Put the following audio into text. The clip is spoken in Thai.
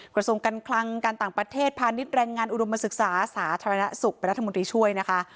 กระทรวงการคลังการต่างประเทศพาณิชย์แรงงานอุดมศึกษาสาธารณสุขเป็นรัฐมนตรีช่วยนะคะ